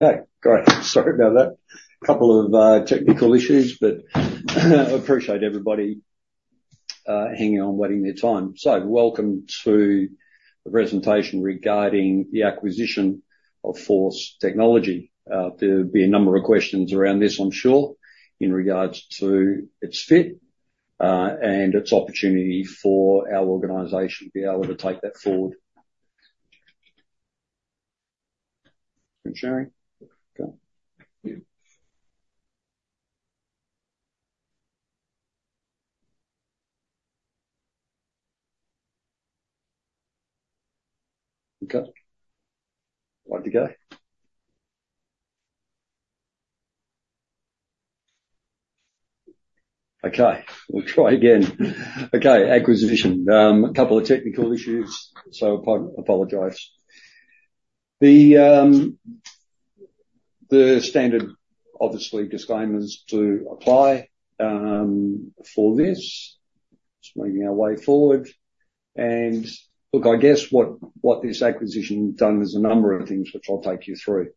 Okay. Great. Sorry about that. A couple of technical issues, but I appreciate everybody hanging on, waiting their time. Welcome to the presentation regarding the acquisition of Force Technology. There'll be a number of questions around this, I'm sure, in regards to its fit and its opportunity for our organisation to be able to take that forward. Sharing? Okay. Okay. Why'd it go? Okay. We'll try again. Okay. Acquisition. A couple of technical issues, so I apologise. The standard, obviously, disclaimers to apply for this. Just making our way forward. I guess what this acquisition has done is a number of things, which I'll take you through.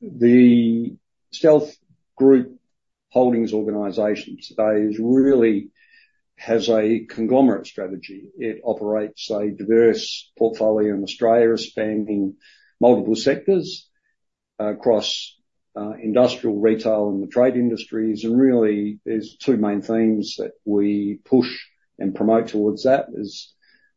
The Stealth Group Holdings organisation today really has a conglomerate strategy. It operates a diverse portfolio in Australia spanning multiple sectors across industrial, retail, and the trade industries. There are two main themes that we push and promote towards that.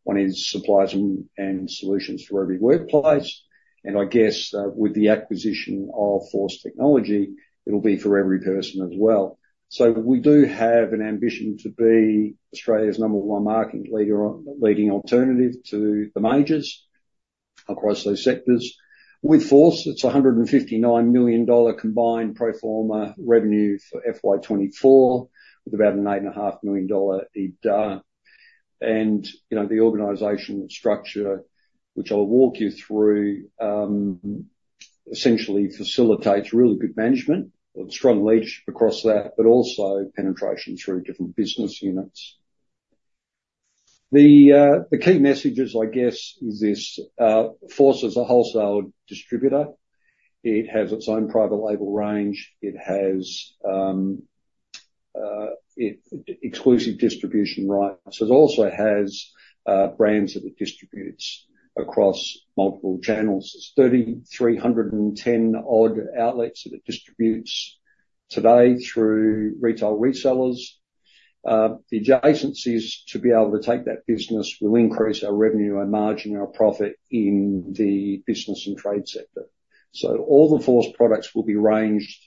One is suppliers and solutions for every workplace. I guess with the acquisition of Force Technology, it will be for every person as well. We do have an ambition to be Australia's number one market leading alternative to the majors across those sectors. With Force, it is an 159 million dollar combined pro forma revenue for FY2024, with about an 8.5 million dollar EBITDA. The organization structure, which I will walk you through, essentially facilitates really good management or strong leadership across that, but also penetration through different business units. The key messages, I guess, are this: Force is a wholesale distributor. It has its own private label range. It has exclusive distribution rights. It also has brands that it distributes across multiple channels. There are 3,310-odd outlets that it distributes today through retail resellers. The adjacencies to be able to take that business will increase our revenue, our margin, our profit in the business and trade sector. All the Force products will be ranged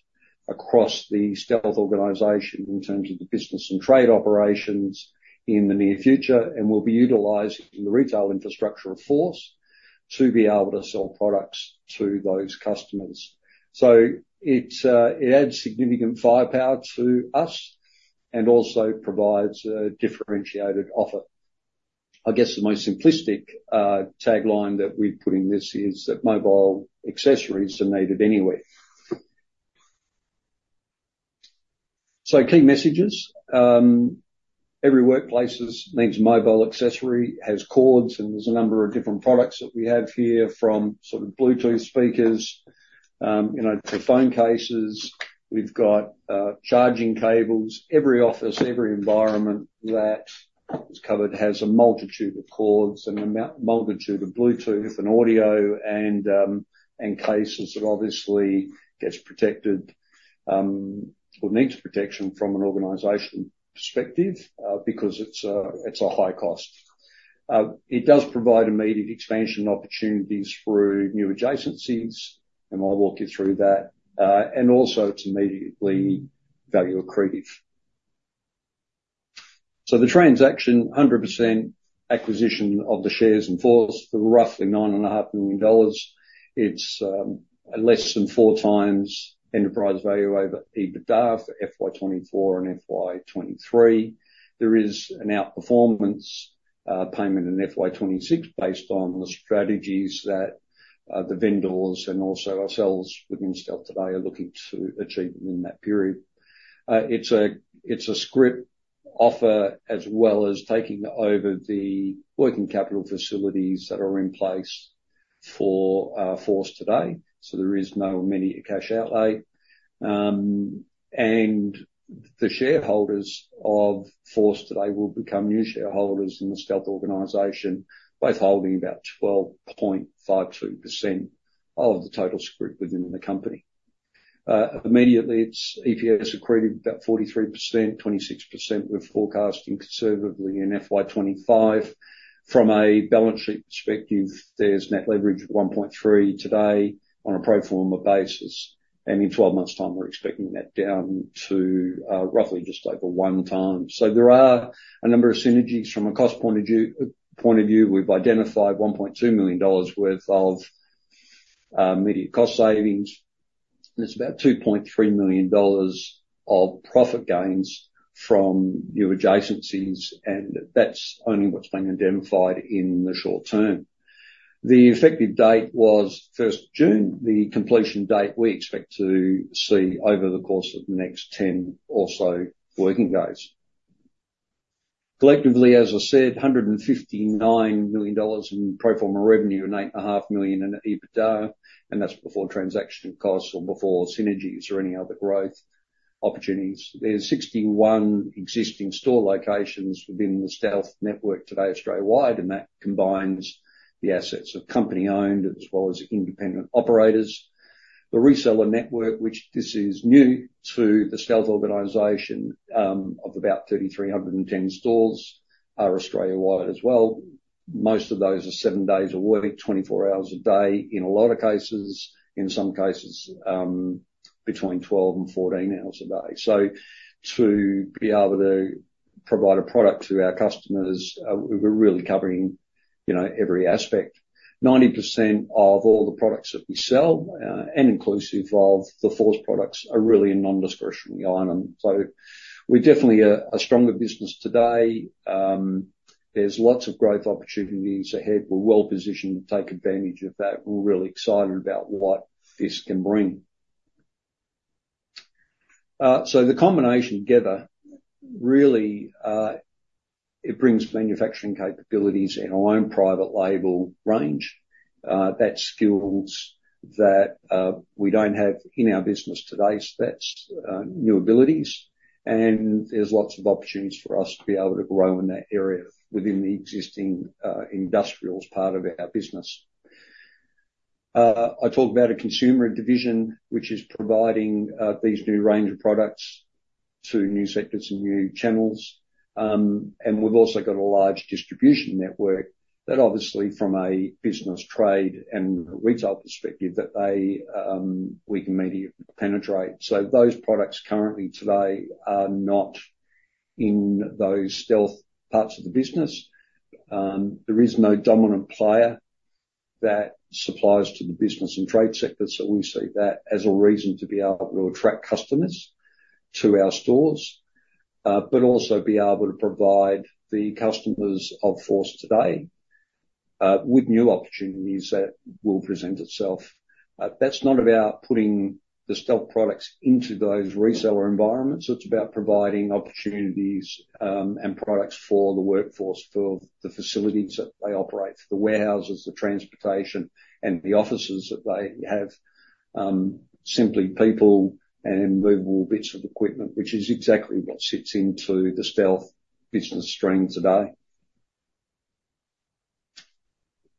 across the Stealth organisation in terms of the business and trade operations in the near future, and we'll be utilising the retail infrastructure of Force to be able to sell products to those customers. It adds significant firepower to us and also provides a differentiated offer. I guess the most simplistic tagline that we've put in this is that mobile accessories are needed anyway. Key messages: every workplace needs a mobile accessory, has cords, and there's a number of different products that we have here from sort of Bluetooth speakers to phone cases. We've got charging cables. Every office, every environment that is covered has a multitude of cords and a multitude of Bluetooth and audio and cases that obviously get protected or need protection from an organization perspective because it's a high cost. It does provide immediate expansion opportunities through new adjacencies, and I'll walk you through that. It is immediately value accretive. The transaction, 100% acquisition of the shares in Force for roughly 9.5 million dollars. It is less than four times enterprise value over EBITDA for FY2024 and FY2023. There is an outperformance payment in FY2026 based on the strategies that the vendors and also ourselves within Stealth today are looking to achieve in that period. It is a script offer as well as taking over the working capital facilities that are in place for Force today. There is no immediate cash outlay. The shareholders of Force today will become new shareholders in the Stealth organization, both holding about 12.52% of the total script within the company. Immediately, it's EPS accretive about 43%, 26% we're forecasting conservatively in FY2025. From a balance sheet perspective, there's net leverage of 1.3 today on a pro forma basis. In 12 months' time, we're expecting that down to roughly just over one time. There are a number of synergies from a cost point of view. We've identified 1.2 million dollars worth of immediate cost savings. There's about 2.3 million dollars of profit gains from new adjacencies, and that's only what's been identified in the short term. The effective date was 1st June. The completion date we expect to see over the course of the next 10 or so working days. Collectively, as I said, 159 million dollars in pro forma revenue and 8.5 million in EBITDA, and that's before transaction costs or before synergies or any other growth opportunities. There are 61 existing store locations within the Stealth network today Australia-wide, and that combines the assets of company-owned as well as independent operators. The reseller network, which this is new to the Stealth organisation, of about 3,310 stores are Australia-wide as well. Most of those are 7 days a week, 24 hours a day in a lot of cases, in some cases between 12 and 14 hours a day. To be able to provide a product to our customers, we're really covering every aspect. 90% of all the products that we sell, and inclusive of the Force products, are really a non-discretionary item. We're definitely a stronger business today. There are lots of growth opportunities ahead. We're well positioned to take advantage of that. We're really excited about what this can bring. The combination together really brings manufacturing capabilities in our own private label range. That's skills that we don't have in our business today. That's new abilities, and there's lots of opportunities for us to be able to grow in that area within the existing industrials part of our business. I talked about a consumer division, which is providing these new range of products to new sectors and new channels. We've also got a large distribution network that obviously, from a business trade and retail perspective, we can immediately penetrate. Those products currently today are not in those Stealth parts of the business. There is no dominant player that supplies to the business and trade sectors, so we see that as a reason to be able to attract customers to our stores, but also be able to provide the customers of Force today with new opportunities that will present itself. That's not about putting the Stealth products into those reseller environments. It's about providing opportunities and products for the workforce, for the facilities that they operate, for the warehouses, the transportation, and the offices that they have. Simply people and movable bits of equipment, which is exactly what sits into the Stealth business string today.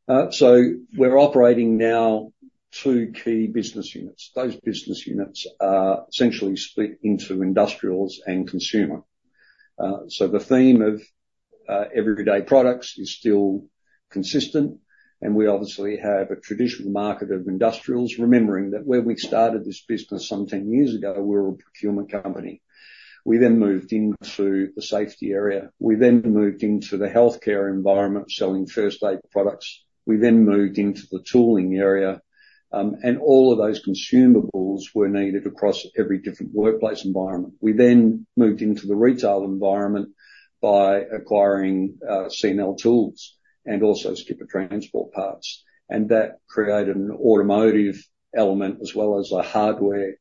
We are operating now two key business units. Those business units are essentially split into industrials and consumer. The theme of everyday products is still consistent, and we obviously have a traditional market of industrials, remembering that when we started this business some 10 years ago, we were a procurement company. We then moved into the safety area. We then moved into the healthcare environment, selling first aid products. We then moved into the tooling area, and all of those consumables were needed across every different workplace environment. We then moved into the retail environment by acquiring C&L Tools and also Skipper Transport Parts. That created an automotive element as well as a hardware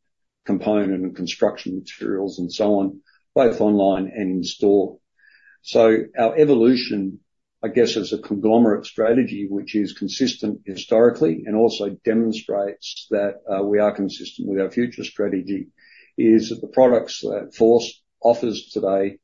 component and construction materials and so on, both online and in store. Our evolution, I guess, as a conglomerate strategy, which is consistent historically and also demonstrates that we are consistent with our future strategy, is that the products that Force offers today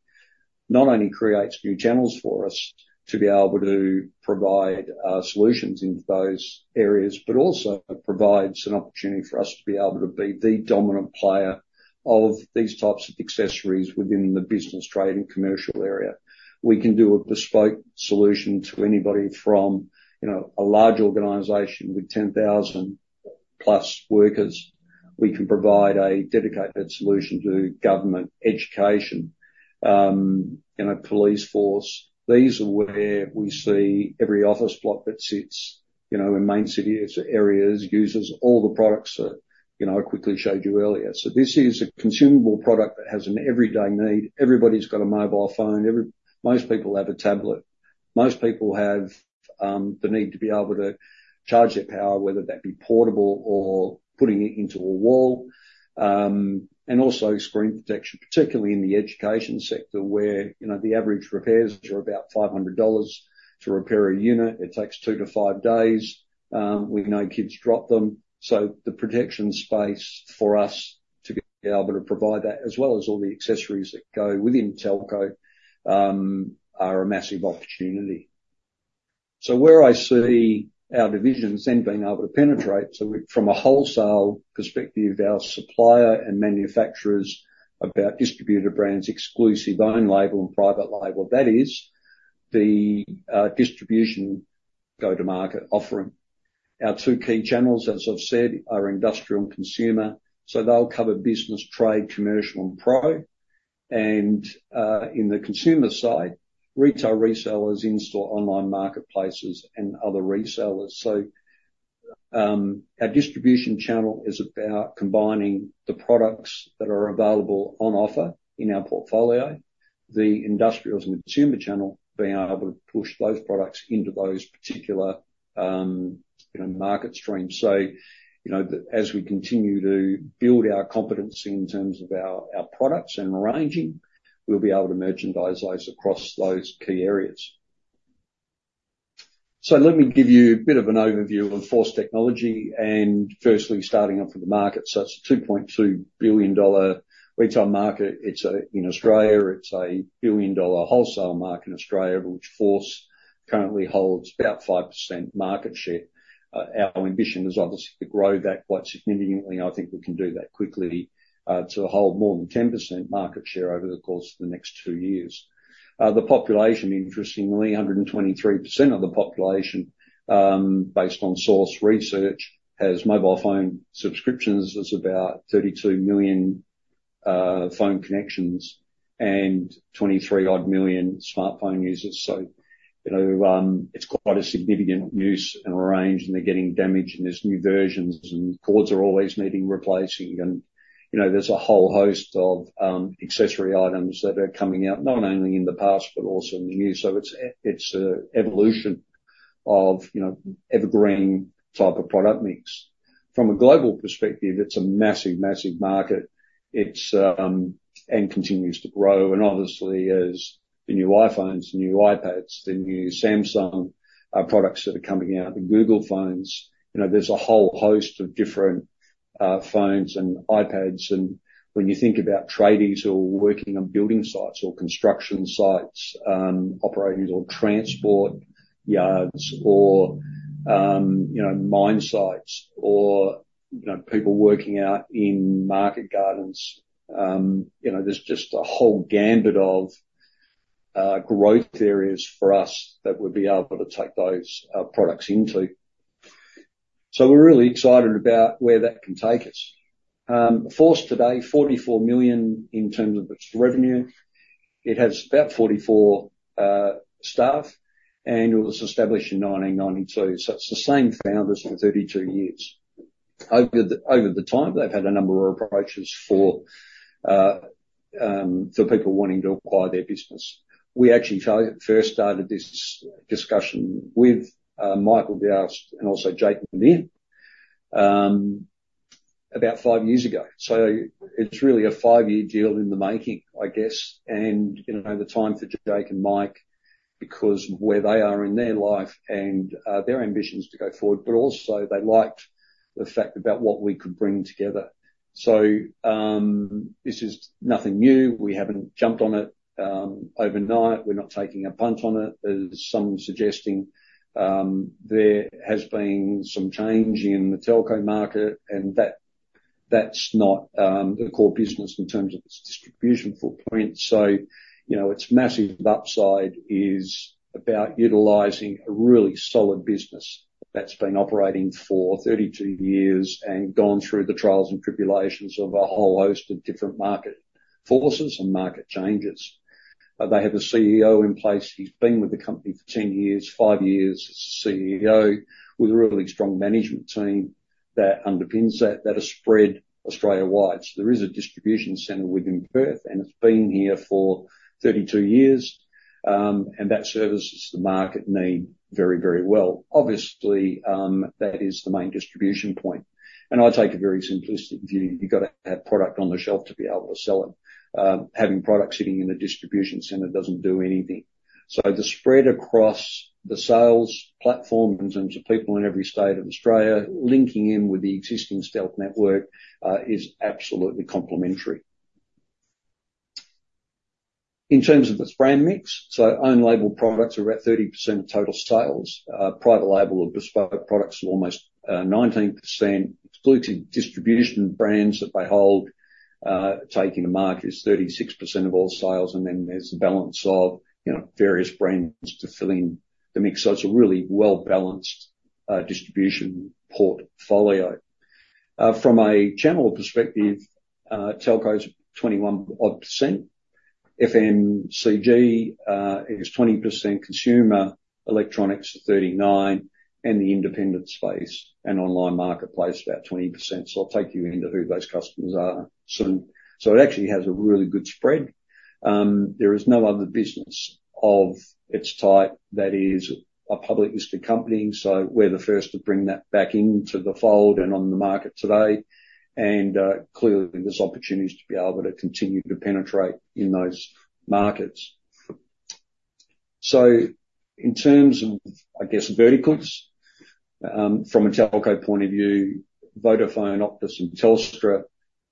not only create new channels for us to be able to provide solutions into those areas, but also provides an opportunity for us to be able to be the dominant player of these types of accessories within the business, trade, and commercial area. We can do a bespoke solution to anybody from a large organization with 10,000-plus workers. We can provide a dedicated solution to government, education, police force. These are where we see every office block that sits in main city areas uses all the products that I quickly showed you earlier. This is a consumable product that has an everyday need. Everybody's got a mobile phone. Most people have a tablet. Most people have the need to be able to charge their power, whether that be portable or putting it into a wall. Also, screen protection, particularly in the education sector, where the average repairs are about 500 dollars to repair a unit. It takes two to five days. We know kids drop them. The protection space for us to be able to provide that, as well as all the accessories that go within telco, are a massive opportunity. Where I see our divisions then being able to penetrate, from a wholesale perspective, our supplier and manufacturers, about distributor brands, exclusive own label and private label, that is the distribution go-to-market offering. Our two key channels, as I've said, are industrial and consumer. They'll cover business, trade, commercial, and pro. In the consumer side, retail resellers, in-store online marketplaces, and other resellers. Our distribution channel is about combining the products that are available on offer in our portfolio, the industrials and consumer channel, being able to push those products into those particular market streams. As we continue to build our competency in terms of our products and ranging, we'll be able to merchandise those across those key areas. Let me give you a bit of an overview of Force Technology. Firstly, starting off with the market, it is a 2.2 billion dollar retail market. In Australia, it is a 1 billion dollar wholesale market in Australia, which Force currently holds about 5% market share. Our ambition is obviously to grow that quite significantly. I think we can do that quickly to hold more than 10% market share over the course of the next two years. The population, interestingly, 123% of the population, based on source research, has mobile phone subscriptions. There's about 32 million phone connections and 23-odd million smartphone users. It is quite a significant use and range, and they're getting damaged, and there's new versions, and cords are always needing replacing. There's a whole host of accessory items that are coming out not only in the past, but also in the new. It is an evolution of evergreen type of product mix. From a global perspective, it is a massive, massive market and continues to grow. Obviously, as the new iPhones, the new iPads, the new Samsung products that are coming out, the Google phones, there's a whole host of different phones and iPads. When you think about traders who are working on building sites or construction sites, operators or transport yards or mine sites or people working out in market gardens, there's just a whole gambit of growth areas for us that we'll be able to take those products into. We're really excited about where that can take us. Force today, 44 million in terms of its revenue. It has about 44 staff, and it was established in 1992. It's the same founders for 32 years. Over the time, they've had a number of approaches for people wanting to acquire their business. We actually first started this discussion with Michael D'Arcy and also Jayden McNeill about five years ago. It is really a five-year deal in the making, I guess, and the time for Jayden and Mike because of where they are in their life and their ambitions to go forward, but also they liked the fact about what we could bring together. This is nothing new. We have not jumped on it overnight. We are not taking a punt on it. There is some suggesting there has been some change in the telco market, and that is not the core business in terms of its distribution footprint. Its massive upside is about utilizing a really solid business that has been operating for 32 years and gone through the trials and tribulations of a whole host of different market forces and market changes. They have a CEO in place. He's been with the company for 10 years, five years as CEO, with a really strong management team that underpins that that has spread Australia-wide. There is a distribution centre within Perth, and it's been here for 32 years, and that services the market need very, very well. Obviously, that is the main distribution point. I take a very simplistic view. You've got to have product on the shelf to be able to sell it. Having product sitting in a distribution centre doesn't do anything. The spread across the sales platform in terms of people in every state of Australia linking in with the existing Stealth network is absolutely complementary. In terms of its brand mix, own label products are about 30% of total sales. Private label or bespoke products are almost 19%. Excluded distribution brands that they hold, taking a mark, is 36% of all sales. There is a balance of various brands to fill in the mix. It is a really well-balanced distribution portfolio. From a channel perspective, telco is 21% odd. FMCG is 20%, consumer electronics are 39%, and the independent space and online marketplace are about 20%. I will take you into who those customers are. It actually has a really good spread. There is no other business of its type that is a publicly listed company. We are the first to bring that back into the fold and on the market today. Clearly, there are opportunities to be able to continue to penetrate in those markets. In terms of, I guess, verticals, from a telco point of view, Vodafone, Optus, and Telstra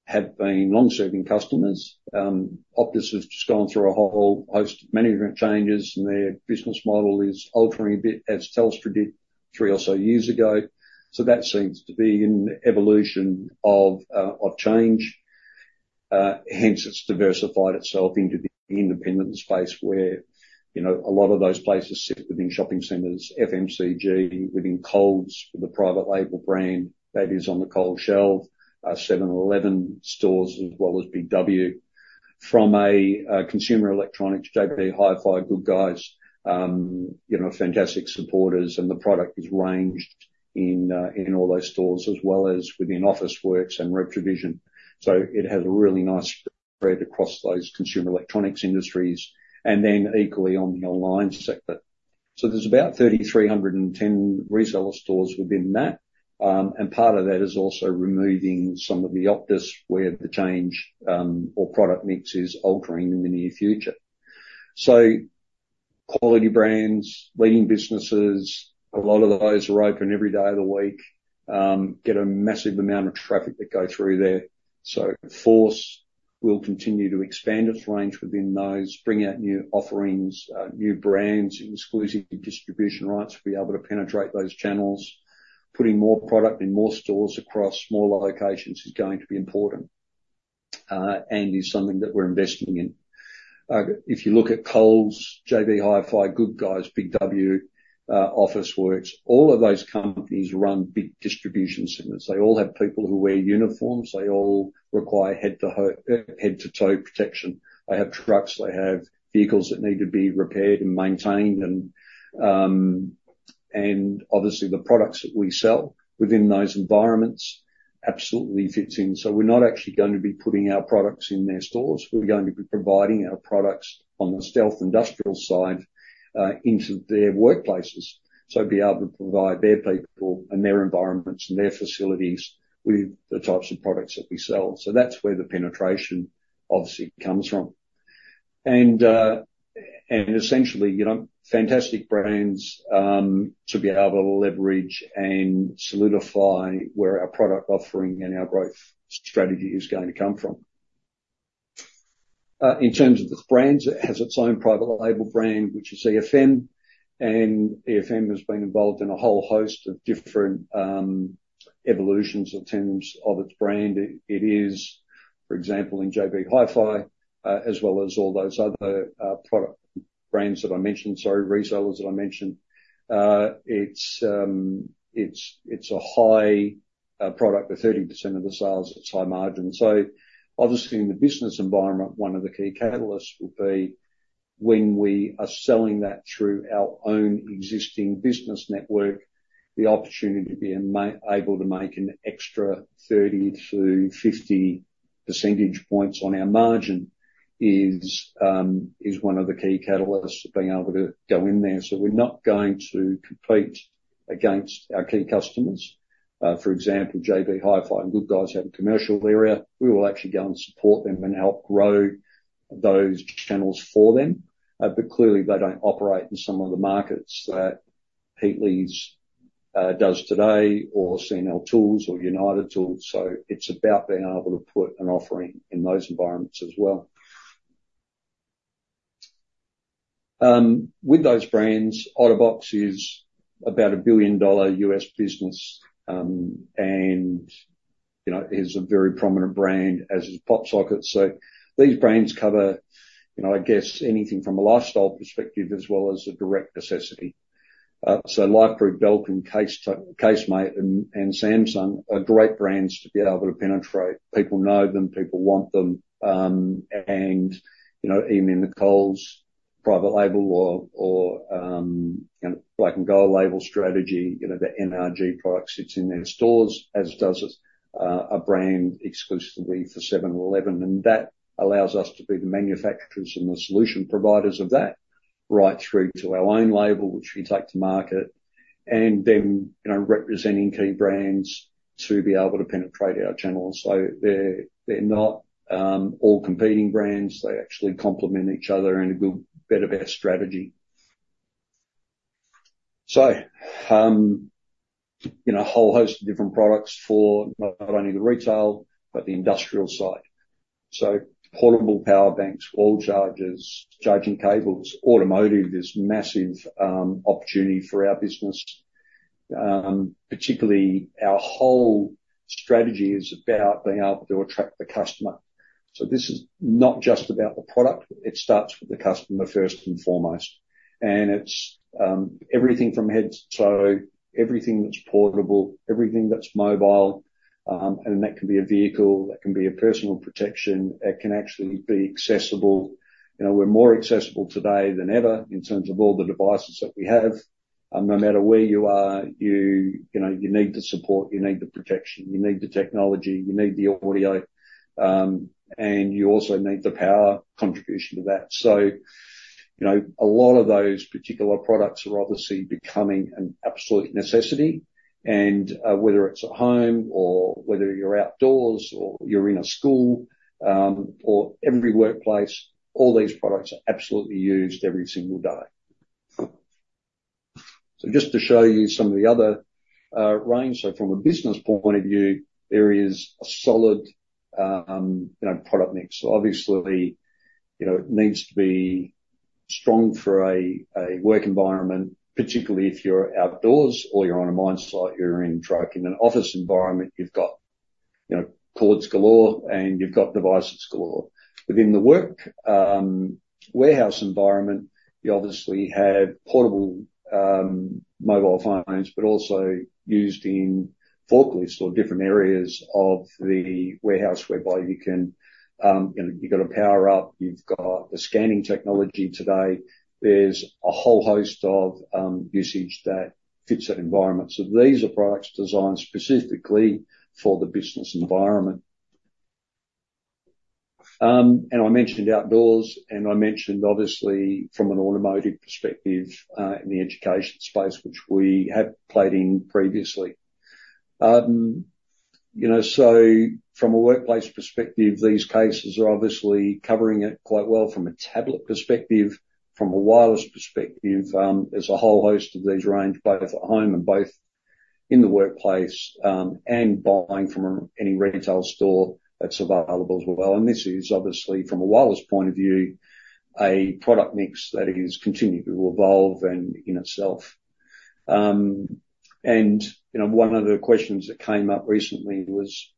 have been long-serving customers. Optus has just gone through a whole host of management changes, and their business model is altering a bit as Telstra did three or so years ago. That seems to be an evolution of change. Hence, it's diversified itself into the independent space where a lot of those places sit within shopping centres. FMCG, within Coles with a private label brand that is on the Coles shelf, 7-Eleven stores as well as BW. From a consumer electronics, JB HiFi, Good Guys, fantastic supporters, and the product is ranged in all those stores as well as within Officeworks and Retrovision. It has a really nice spread across those consumer electronics industries and then equally on the online sector. There are about 3,310 reseller stores within that. Part of that is also removing some of the Optus where the change or product mix is altering in the near future. Quality brands, leading businesses, a lot of those are open every day of the week, get a massive amount of traffic that go through there. Force will continue to expand its range within those, bring out new offerings, new brands, exclusive distribution rights to be able to penetrate those channels. Putting more product in more stores across more locations is going to be important and is something that we're investing in. If you look at Coles, JB HiFi, The Good Guys, BW, Officeworks, all of those companies run big distribution centers. They all have people who wear uniforms. They all require head-to-toe protection. They have trucks. They have vehicles that need to be repaired and maintained. Obviously, the products that we sell within those environments absolutely fits in. We're not actually going to be putting our products in their stores. We're going to be providing our products on the Stealth industrial side into their workplaces. Be able to provide their people and their environments and their facilities with the types of products that we sell. That is where the penetration obviously comes from. Essentially, fantastic brands to be able to leverage and solidify where our product offering and our growth strategy is going to come from. In terms of its brands, it has its own private label brand, which is EFM. EFM has been involved in a whole host of different evolutions in terms of its brand. It is, for example, in JB HiFi, as well as all those other product brands that I mentioned, sorry, resellers that I mentioned. It's a high product with 30% of the sales. It's high margin. Obviously, in the business environment, one of the key catalysts would be when we are selling that through our own existing business network, the opportunity to be able to make an extra 30-50 percentage points on our margin is one of the key catalysts of being able to go in there. We're not going to compete against our key customers. For example, JB HiFi and Good Guys have a commercial area. We will actually go and support them and help grow those channels for them. Clearly, they don't operate in some of the markets that Heat Leaves does today or C&L Tools or United Tools. It's about being able to put an offering in those environments as well. With those brands, OtterBox is about a billion-dollar US business and is a very prominent brand as is PopSocket. These brands cover, I guess, anything from a lifestyle perspective as well as a direct necessity. Lifeproof, Belkin, Case-Mate, and Samsung are great brands to be able to penetrate. People know them. People want them. Even in the Coles private label or black and gold label strategy, the NRG product sits in their stores, as does a brand exclusively for 7-Eleven. That allows us to be the manufacturers and the solution providers of that right through to our own label, which we take to market, and then representing key brands to be able to penetrate our channels. They are not all competing brands. They actually complement each other and build better-best strategy. A whole host of different products for not only the retail but the industrial side. Portable power banks, wall chargers, charging cables, automotive is a massive opportunity for our business. Particularly, our whole strategy is about being able to attract the customer. This is not just about the product. It starts with the customer first and foremost. It is everything from head to toe, everything that is portable, everything that is mobile. That can be a vehicle. That can be personal protection. It can actually be accessible. We are more accessible today than ever in terms of all the devices that we have. No matter where you are, you need the support. You need the protection. You need the technology. You need the audio. You also need the power contribution to that. A lot of those particular products are obviously becoming an absolute necessity. Whether it is at home or you are outdoors or you are in a school or every workplace, all these products are absolutely used every single day. Just to show you some of the other range. From a business point of view, there is a solid product mix. Obviously, it needs to be strong for a work environment, particularly if you're outdoors or you're on a mine site. You're in a truck in an office environment. You've got cords galore, and you've got devices galore. Within the work warehouse environment, you obviously have portable mobile phones, but also used in forklifts or different areas of the warehouse whereby you've got a power-up. You've got the scanning technology today. There's a whole host of usage that fits that environment. These are products designed specifically for the business environment. I mentioned outdoors, and I mentioned obviously from an automotive perspective in the education space, which we have played in previously. From a workplace perspective, these cases are obviously covering it quite well from a tablet perspective. From a wireless perspective, there is a whole host of these ranged, both at home and both in the workplace and buying from any retail store that is available as well. This is obviously from a wireless point of view, a product mix that is continuing to evolve in itself. One of the questions that came up recently was,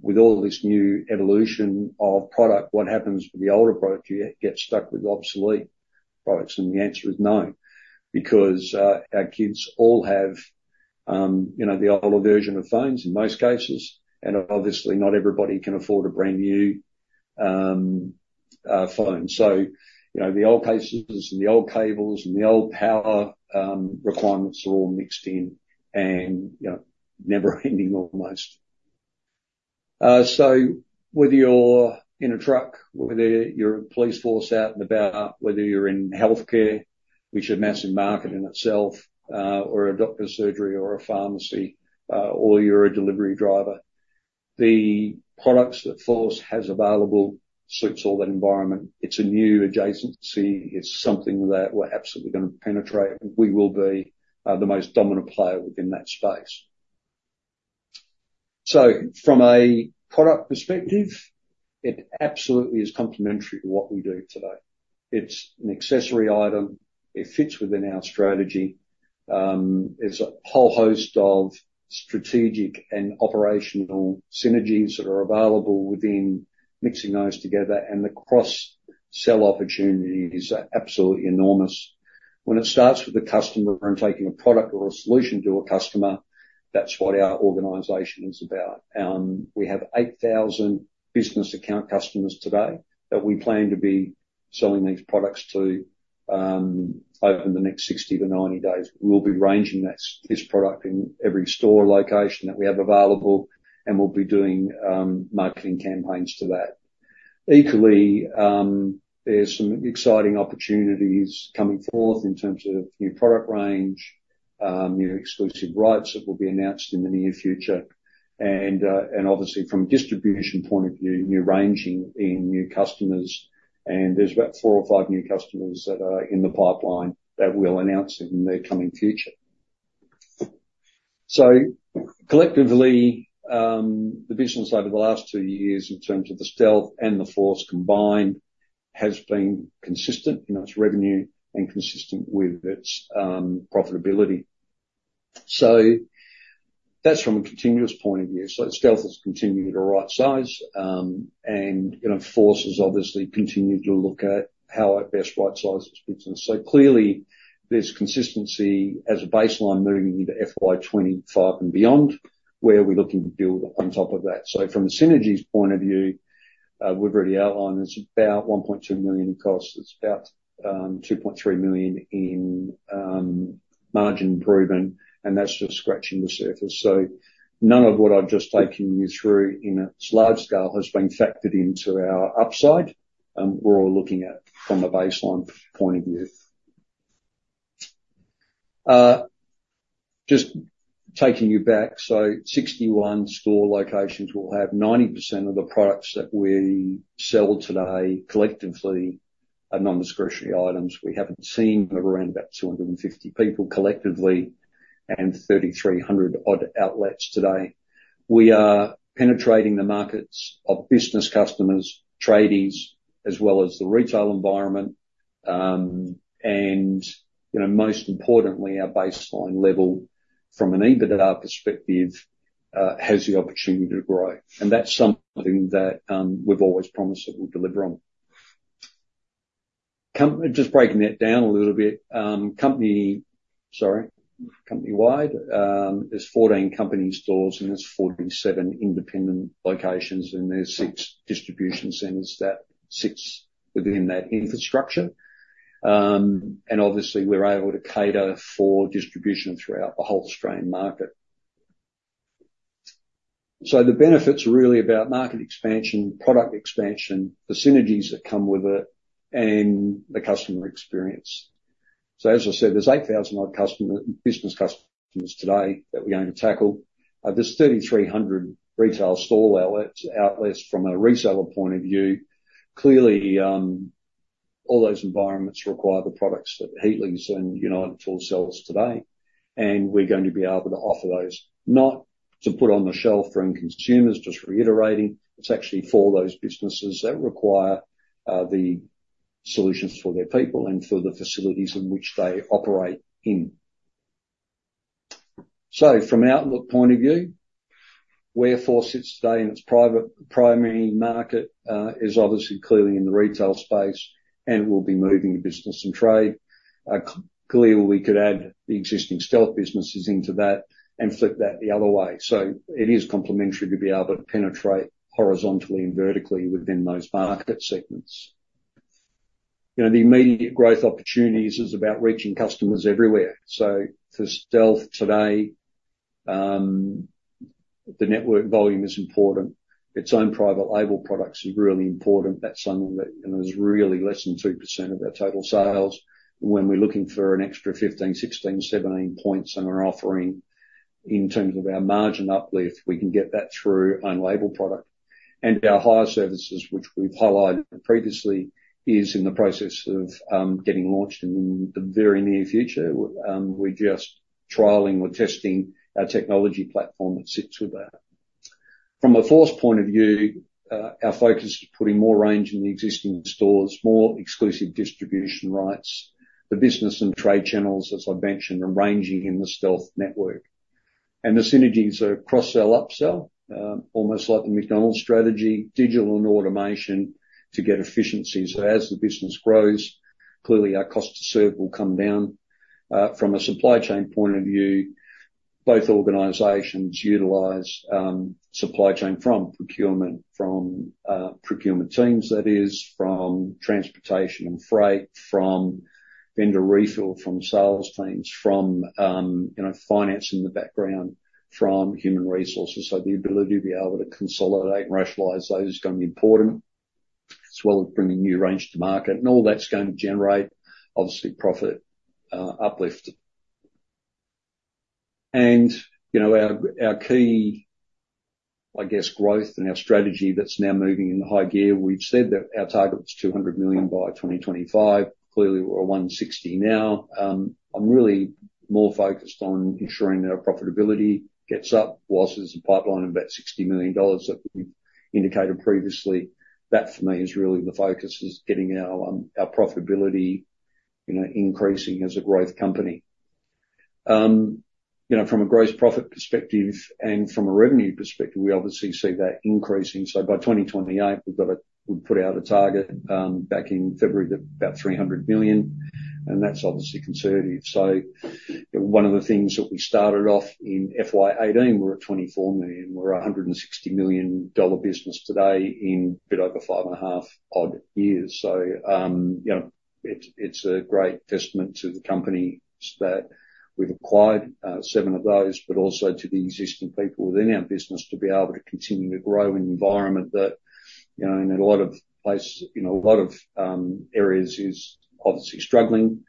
with all this new evolution of product, what happens with the older product? Do you get stuck with obsolete products? The answer is no, because our kids all have the older version of phones in most cases, and obviously not everybody can afford a brand new phone. The old cases and the old cables and the old power requirements are all mixed in and never-ending almost. Whether you're in a truck, whether you're a police force out and about, whether you're in healthcare, which is a massive market in itself, or a doctor's surgery or a pharmacy, or you're a delivery driver, the products that Force has available suits all that environment. It's a new adjacency. It's something that we're absolutely going to penetrate, and we will be the most dominant player within that space. From a product perspective, it absolutely is complementary to what we do today. It's an accessory item. It fits within our strategy. There's a whole host of strategic and operational synergies that are available within mixing those together, and the cross-sell opportunities are absolutely enormous. When it starts with the customer and taking a product or a solution to a customer, that's what our organisation is about. We have 8,000 business account customers today that we plan to be selling these products to over the next 60-90 days. We'll be ranging this product in every store location that we have available, and we'll be doing marketing campaigns to that. Equally, there's some exciting opportunities coming forth in terms of new product range, new exclusive rights that will be announced in the near future. Obviously, from a distribution point of view, new ranging in new customers. There's about four or five new customers that are in the pipeline that we'll announce in the coming future. Collectively, the business over the last two years in terms of the Stealth and the Force combined has been consistent in its revenue and consistent with its profitability. That's from a continuous point of view. Stealth has continued to right-size, and Force has obviously continued to look at how it best right-sizes its business. Clearly, there's consistency as a baseline moving into FY2025 and beyond, where we're looking to build on top of that. From a synergies point of view, we've already outlined it's about 1.2 million in cost. It's about 2.3 million in margin improvement, and that's just scratching the surface. None of what I've just taken you through in its large scale has been factored into our upside we're all looking at from a baseline point of view. Just taking you back, 61 store locations will have 90% of the products that we sell today collectively are non-discretionary items. We haven't seen around about 250 people collectively and 3,300 odd outlets today. We are penetrating the markets of business customers, traders, as well as the retail environment. Most importantly, our baseline level from an EBITDA perspective has the opportunity to grow. That is something that we have always promised that we will deliver on. Just breaking that down a little bit, company-wide, there are 14 company stores and 47 independent locations, and there are six distribution centers that sit within that infrastructure. Obviously, we are able to cater for distribution throughout the whole Australian market. The benefits are really about market expansion, product expansion, the synergies that come with it, and the customer experience. As I said, there are 8,000 odd business customers today that we are going to tackle. There are 3,300 retail store outlets from a reseller point of view. Clearly, all those environments require the products that Heat Leaves and United Tools sell us today. We're going to be able to offer those, not to put on the shelf for end consumers, just reiterating, it's actually for those businesses that require the solutions for their people and for the facilities in which they operate in. From an outlook point of view, where Force sits today in its primary market is obviously clearly in the retail space, and we'll be moving the business and trade. Clearly, we could add the existing Stealth businesses into that and flip that the other way. It is complementary to be able to penetrate horizontally and vertically within those market segments. The immediate growth opportunities is about reaching customers everywhere. For Stealth today, the network volume is important. Its own private label products are really important. That's something that is really less than 2% of our total sales. When we're looking for an extra 15, 16, 17 percentage points on our offering in terms of our margin uplift, we can get that through own label product. Our higher services, which we've highlighted previously, are in the process of getting launched in the very near future. We're just trialling or testing our technology platform that sits with that. From a Force point of view, our focus is putting more range in the existing stores, more exclusive distribution rights, the business and trade channels, as I've mentioned, and ranging in the Stealth network. The synergies are cross-sell, upsell, almost like the McDonald's strategy, digital and automation to get efficiencies. As the business grows, clearly, our cost to serve will come down. From a supply chain point of view, both organizations utilize supply chain from procurement, from procurement teams, that is, from transportation and freight, from vendor refill, from sales teams, from finance in the background, from human resources. The ability to be able to consolidate and rationalize those is going to be important, as well as bringing new range to market. All that's going to generate, obviously, profit uplift. Our key, I guess, growth and our strategy that's now moving in the high gear, we've said that our target was 200 million by 2025. Clearly, we're 160 million now. I'm really more focused on ensuring that our profitability gets up whilst there's a pipeline of about 60 million dollars that we've indicated previously. That for me is really the focus, is getting our profitability increasing as a growth company. From a gross profit perspective and from a revenue perspective, we obviously see that increasing. By 2028, we've got to put out a target back in February of about 300 million. That's obviously conservative. One of the things is that we started off in FY 2018, we were at 24 million. We're a 160 million dollar business today in a bit over five and a half odd years. It's a great testament to the companies that we've acquired, seven of those, but also to the existing people within our business to be able to continue to grow in an environment that, in a lot of places, in a lot of areas, is obviously struggling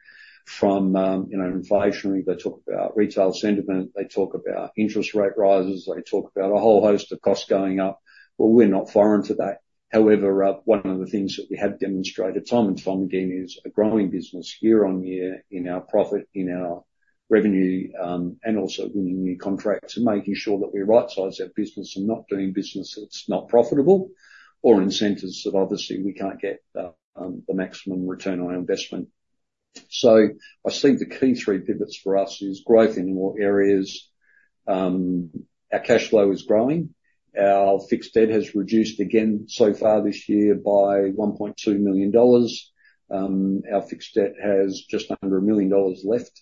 from inflation. They talk about retail sentiment. They talk about interest rate rises. They talk about a whole host of costs going up. We're not foreign to that. However, one of the things that we have demonstrated, Simon's Farm again, is a growing business year on year in our profit, in our revenue, and also winning new contracts and making sure that we right-size our business and not doing business that's not profitable or incentives that obviously we can't get the maximum return on our investment. I think the key three pivots for us is growth in all areas. Our cash flow is growing. Our fixed debt has reduced again so far this year by 1.2 million dollars. Our fixed debt has just under 1 million dollars left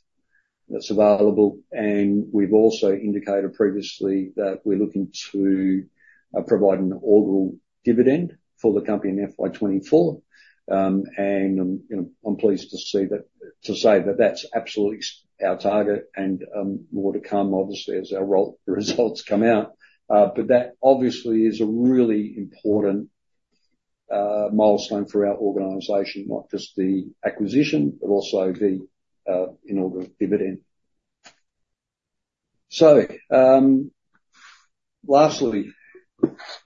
that's available. We have also indicated previously that we're looking to provide an ordinal dividend for the company in FY24. I'm pleased to say that that's absolutely our target. More to come, obviously, as our results come out. That obviously is a really important milestone for our organization, not just the acquisition, but also the in-order dividend. Lastly,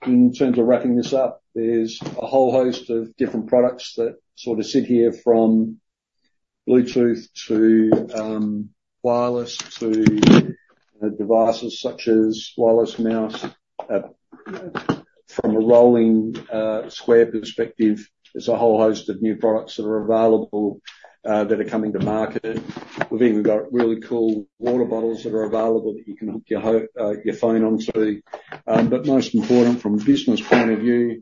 in terms of wrapping this up, there's a whole host of different products that sort of sit here, from Bluetooth to wireless to devices such as wireless mouse. From a rolling square perspective, there's a whole host of new products that are available that are coming to market. We've even got really cool water bottles that are available that you can hook your phone onto. Most importantly, from a business point of view,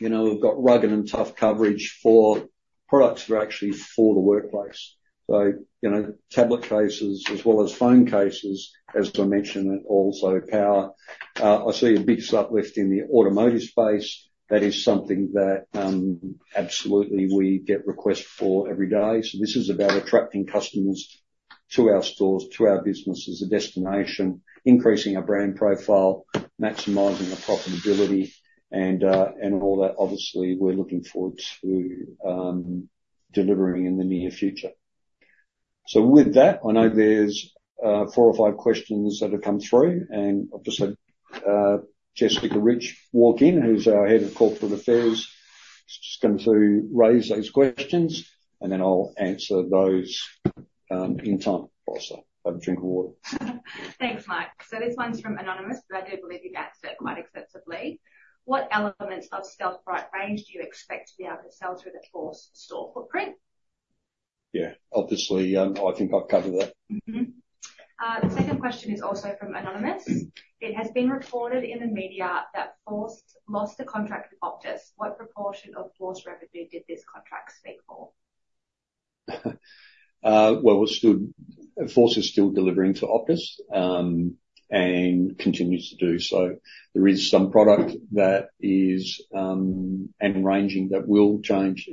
we've got rugged and tough coverage for products that are actually for the workplace. Tablet cases as well as phone cases, as I mentioned, and also power. I see a big uplift in the automotive space. That is something that absolutely we get requests for every day. This is about attracting customers to our stores, to our business as a destination, increasing our brand profile, maximizing our profitability, and all that, obviously, we're looking forward to delivering in the near future. With that, I know there are four or five questions that have come through. Obviously, Jessica Rich-Walkin, who's our Head of Corporate Affairs, is just going to raise those questions, and then I'll answer those in time. Have a drink of water. Thanks, Mike. This one's from Anonymous, but I do believe you've answered it quite extensively. What elements of Stealth range do you expect to be able to sell through the Force store footprint? Yeah. Obviously, I think I've covered that. The second question is also from Anonymous. It has been reported in the media that Force lost a contract with Optus. What proportion of Force revenue did this contract speak for? Force is still delivering to Optus and continues to do so. There is some product that is in ranging that will change.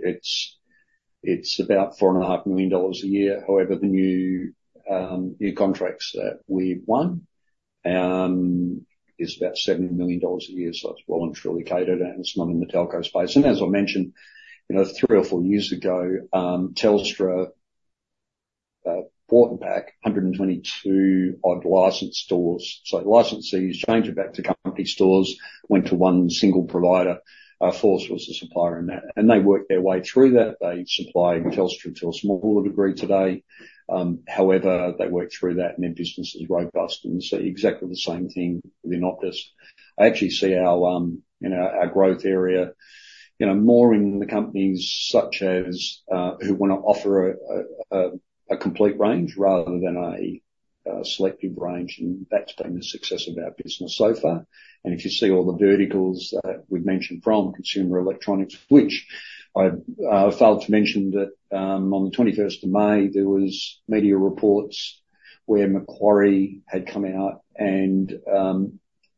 It is about 4.5 million dollars a year. However, the new contracts that we have won is about 7 million dollars a year. It is well and truly catered, and it is not in the telco space. As I mentioned, three or four years ago, Telstra bought back 122 odd licensed stores. Licensees changed back to company stores, went to one single provider. Force was the supplier in that. They worked their way through that. They supplied Telstra to a smaller degree today. However, they worked through that, and their business is robust. We see exactly the same thing within Optus. I actually see our growth area more in the companies who want to offer a complete range rather than a selective range. That's been the success of our business so far. If you see all the verticals that we've mentioned from consumer electronics, which I failed to mention that on the 21st of May, there were media reports where Macquarie had come out and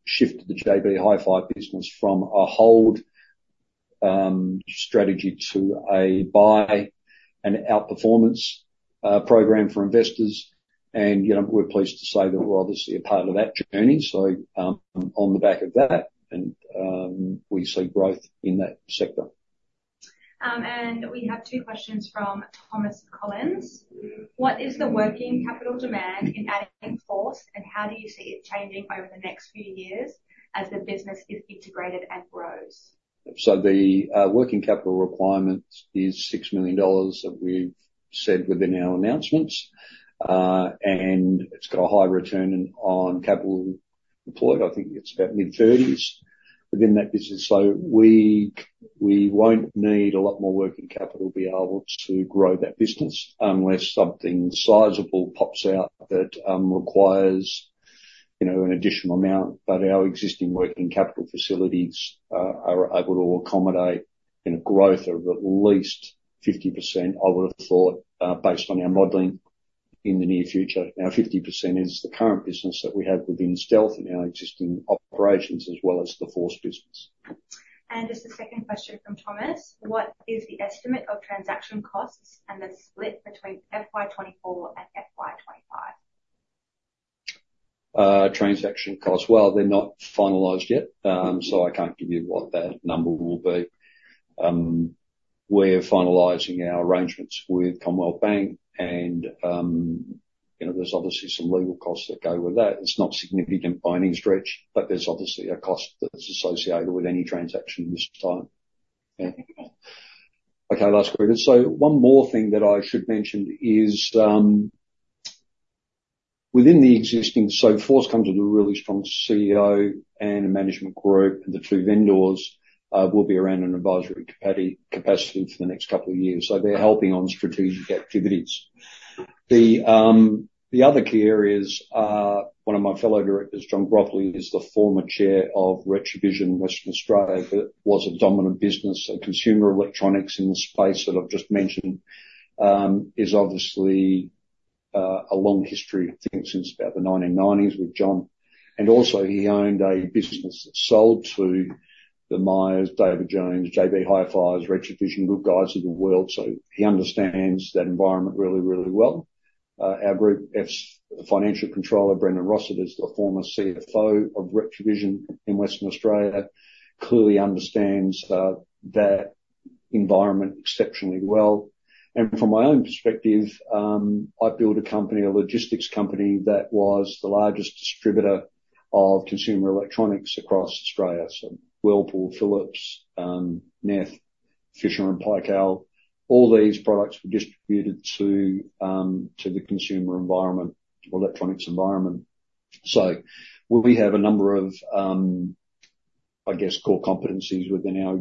shifted the JB HiFi business from a hold strategy to a buy and outperformance program for investors. We're pleased to say that we're obviously a part of that journey. On the back of that, we see growth in that sector. We have two questions from Thomas Collins. What is the working capital demand in adding Force, and how do you see it changing over the next few years as the business is integrated and grows? The working capital requirement is 6 million dollars that we've said within our announcements. It's got a high return on capital deployed. I think it's about mid-30% within that business. We won't need a lot more working capital to be able to grow that business unless something sizable pops out that requires an additional amount. Our existing working capital facilities are able to accommodate a growth of at least 50%, I would have thought, based on our modelling in the near future. Now, 50% is the current business that we have within Stealth and our existing operations, as well as the Force business. Just a second question from Thomas. What is the estimate of transaction costs and the split between FY24 and FY25? Transaction costs, they're not finalised yet, so I can't give you what that number will be. We're finalizing our arrangements with Commonwealth Bank, and there's obviously some legal costs that go with that. It's not a significant binding stretch, but there's obviously a cost that's associated with any transaction this time. Okay, last question. One more thing that I should mention is within the existing, so Force comes with a really strong CEO and a management group, and the two vendors will be around in an advisory capacity for the next couple of years. They're helping on strategic activities. The other key areas are one of my fellow directors, John Brockley, is the former chair of Retrovision Western Australia, but was a dominant business. Consumer electronics in the space that I've just mentioned is obviously a long history of things since about the 1990s with John. He also owned a business that sold to the Myers, David Jones, JB HiFi, Retrovision, Good Guys of the world. He understands that environment really, really well. Our Group Financial Controller, Brendan Rossitt, is the former CFO of Retrovision in Western Australia. He clearly understands that environment exceptionally well. From my own perspective, I built a company, a logistics company that was the largest distributor of consumer electronics across Australia. Whirlpool, Philips, Neff, Fisher & Paykel—all these products were distributed to the consumer electronics environment. We have a number of, I guess, core competencies within our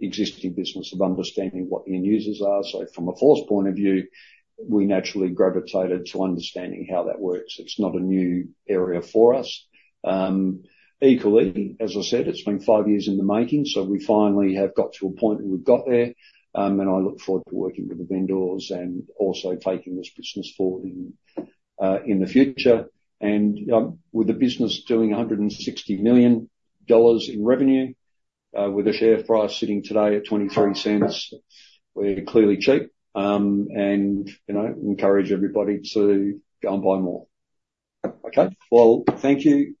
existing business of understanding what the end users are. From a Force point of view, we naturally gravitated to understanding how that works. It's not a new area for us. Equally, as I said, it's been five years in the making. We finally have got to a point where we've got there. I look forward to working with the vendors and also taking this business forward in the future. With the business doing 160 million dollars in revenue, with a share price sitting today at 0.23, we're clearly cheap. I encourage everybody to go and buy more. Thank you.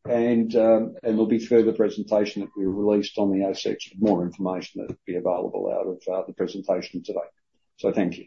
There will be further presentation that we released on the ASX with more information that will be available out of the presentation today. Thank you.